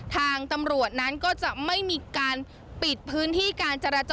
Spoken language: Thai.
ทางตำรวจนั้นก็จะไม่มีการปิดพื้นที่การจราจร